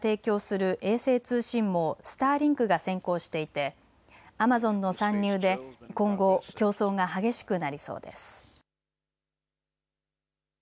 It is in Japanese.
氏の会社が提供する衛星通信網、スターリンクが先行していてアマゾンの参入で今後、競争が激しくなりそうです。